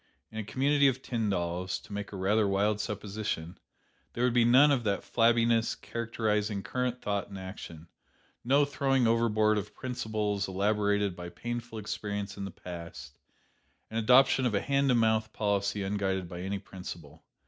In a community of Tyndalls (to make a rather wild supposition), there would be none of that flabbiness characterizing current thought and action no throwing overboard of principles elaborated by painful experience in the past, and adoption of a hand to mouth policy unguided by any principle.